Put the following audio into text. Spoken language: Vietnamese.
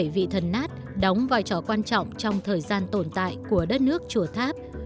ba mươi bảy vị thần nát đóng vai trò quan trọng trong thời gian tồn tại của đất nước chùa tháp